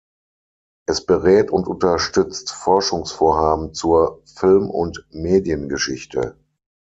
Es berät und unterstützt Forschungsvorhaben zur Film- und Mediengeschichte.